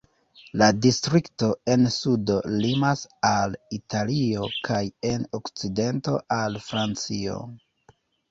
La distrikto en sudo limas al Italio kaj en okcidento al Francio.